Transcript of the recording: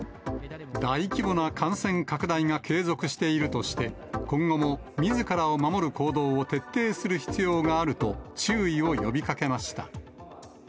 大規模な感染拡大が継続しているとして、今後もみずからを守る行動を徹底する必要があると、注意を呼びかけました。